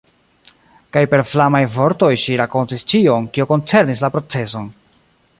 Kaj per flamaj vortoj ŝi rakontis ĉion, kio koncernis la proceson.